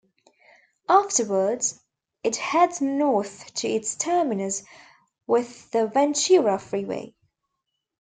Afterwards, it heads north to its terminus with the Ventura Freeway.